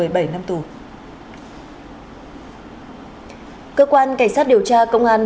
cơ quan cảnh sát điều tra công an